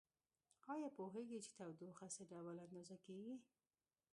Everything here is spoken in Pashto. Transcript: ایا پوهیږئ چې تودوخه څه ډول اندازه کیږي؟